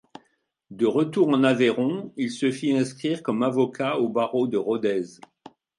De retour en Aveyron, il se fit inscrire comme avocat au barreau de Rodez.